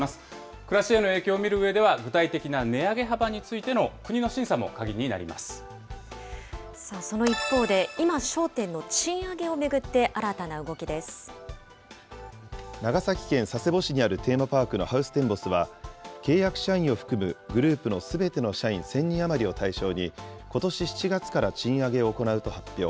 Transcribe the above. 暮らしへの影響を見るうえでは具体的な値上げ幅への国の審査も鍵その一方で、今焦点の賃上げ長崎県佐世保市にあるテーマパークのハウステンボスは、契約社員を含むグループのすべての社員１０００人余りを対象に、ことし７月から賃上げを行うと発表。